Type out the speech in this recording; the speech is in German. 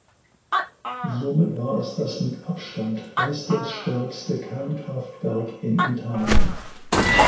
Somit war es das mit Abstand leistungsstärkste Kernkraftwerk in Italien.